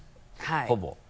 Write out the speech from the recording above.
ほぼ。